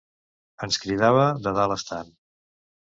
Ens cridava de dalt estant.